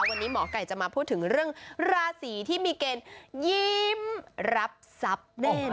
วันนี้หมอไก่จะมาพูดถึงเรื่องราศีที่มีเกณฑ์ยิ้มรับทรัพย์แน่นอน